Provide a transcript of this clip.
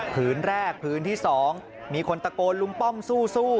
พื้นแรกพื้นที่สองมีคนตะโกนลุงป้อมสู้สู้